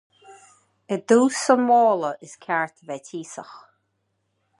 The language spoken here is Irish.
dtus an mhála is ceart a bheith tíosach.